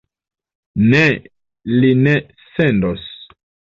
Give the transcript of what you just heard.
Ne, li ne sendos.